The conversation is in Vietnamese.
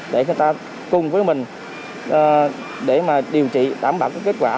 để người ta cùng với mình để mà điều trị đảm bảo kết quả